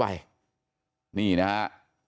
ไปนี่นะครับ